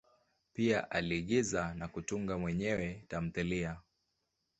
Pia aliigiza na kutunga mwenyewe tamthilia.